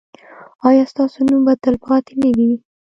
ایا ستاسو نوم به تلپاتې نه وي؟